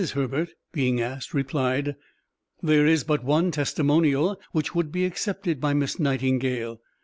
Herbert, being asked, replied: "There is but one testimonial which would be accepted by Miss Nightingale.